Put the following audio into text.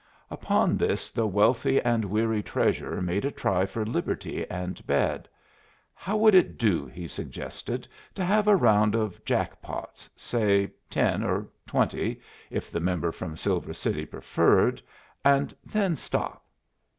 Upon this the wealthy and weary Treasurer made a try for liberty and bed. How would it do, he suggested, to have a round of jack pots, say ten or twenty, if the member from Silver City preferred and then stop?